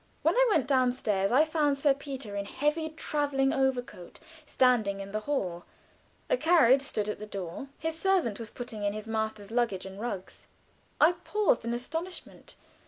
When I went down stairs I found Sir Peter, in heavy traveling overcoat, standing in the hall; a carriage stood at the door; his servant was putting in his master's luggage and rugs. I paused in astonishment.